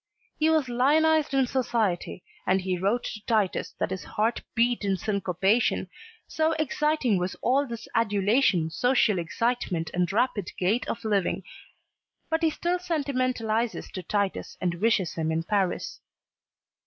He was lionized in society and he wrote to Titus that his heart beat in syncopation, so exciting was all this adulation, social excitement and rapid gait of living. But he still sentimentalizes to Titus and wishes him in Paris.